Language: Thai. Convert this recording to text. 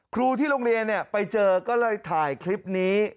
ครูที่โรงเรียนไปเจอก็เลยถ่ายคลิปนี้